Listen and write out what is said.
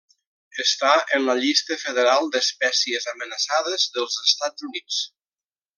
Està en la llista federal d'espècies amenaçades dels Estats Units.